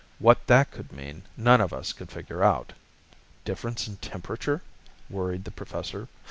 What that could mean, none of us could figure out. "Difference in temperature?" worried the Professor.